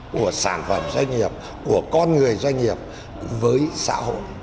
của sản phẩm doanh nghiệp của con người doanh nghiệp với xã hội